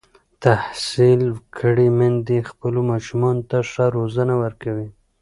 تحصیل کړې میندې خپلو ماشومانو ته ښه روزنه ورکوي.